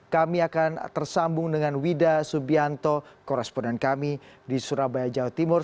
kami akan tersambung dengan wida subianto koresponden kami di surabaya jawa timur